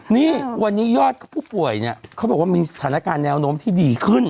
นี่วันนี้ยอดผู้ป่วยเนี่ยเขาบอกว่ามีสถานการณ์แนวโน้มที่ดีขึ้น